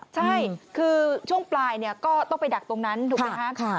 ใช่คือช่วงปลายก็ต้องไปดักตรงนั้นถูกไหมคะ